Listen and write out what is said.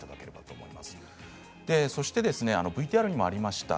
そしてＶＴＲにもありました